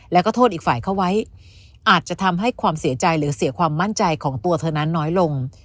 แล้วก็โทษอีกฝ่ายเข้าไว้อาจจะทำให้ความเสียใจหรือเสียความมั่นใจของตัวเธอนั้นน้อยลง